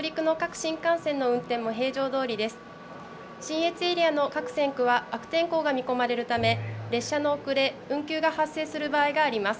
信越エリアの各線区は、悪天候が見込まれるため、列車の遅れ、運休が発生する場合があります。